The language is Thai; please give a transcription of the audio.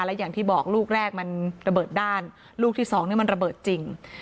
และอย่างที่บอกลูกแรกมันระเบิดด้านลูกที่สองนี่มันระเบิดจริง